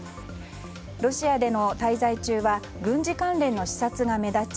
ロシアでの滞在中は軍事関連の視察が目立ち